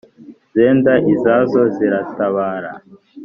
Zenda izazo ziratabara